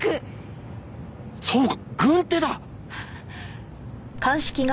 そうか軍手だ！